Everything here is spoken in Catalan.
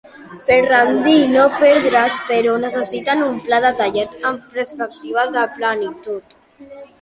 Per rendir i no perdre's, però, necessiten un pla detallat, amb perspectives de plenitud.